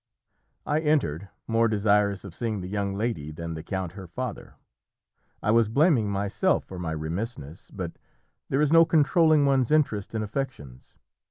I entered, more desirous of seeing the young lady than the count her father; I was blaming myself for my remissness, but there is no controlling one's interest and affections.